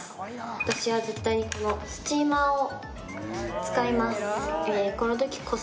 私は絶対にこのスチーマーを使います